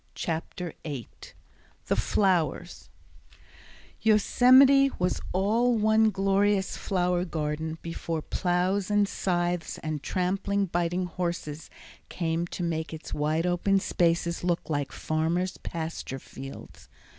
Chapter 8 The Flowers Yosemite was all one glorious flower garden before plows and scythes and trampling, biting horses came to make its wide open spaces look like farmers' pasture fields.